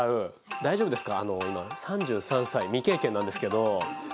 大丈夫ですか？